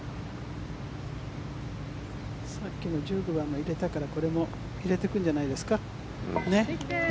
さっきの１５番も入れたからこれも入れてくるんじゃないですか。